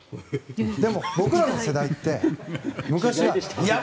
でも、僕らの世代って昔はやれ！